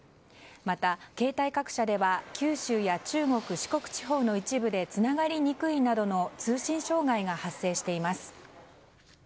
また、携帯各社では九州や中国、四国地方の一部でつながりにくいなどの通信障害が発生しています。